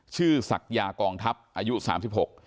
ศักยากองทัพอายุสามสิบหก